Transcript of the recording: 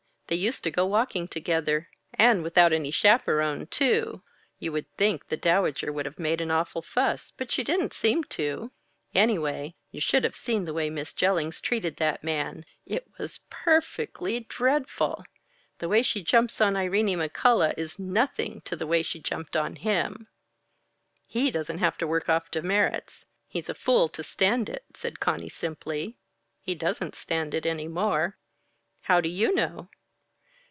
They used to go walking together and without any chaperone, too! You would think the Dowager would have made an awful fuss, but she didn't seem to. Anyway, you should have seen the way Miss Jellings treated that man it was per fect ly dreadful! The way she jumps on Irene McCullough is nothing to the way she jumped on him." "He doesn't have to work off demerits. He's a fool to stand it," said Conny simply. "He doesn't stand it any more." "How do you know?"